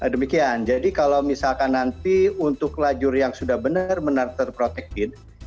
demikian jadi kalau misalkan nanti untuk lajur yang sudah benar benar terprotektif